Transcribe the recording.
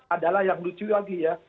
adalah yang lucu lagi ya